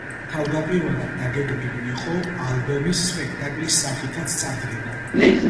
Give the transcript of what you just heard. თავდაპირველად დაგეგმილი იყო ალბომის სპექტაკლის სახითაც წარდგენა.